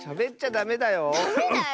ダメだよ。